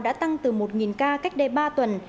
đã tăng từ một ca cách đây ba tuần